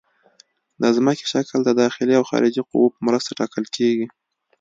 د ځمکې شکل د داخلي او خارجي قوو په مرسته ټاکل کیږي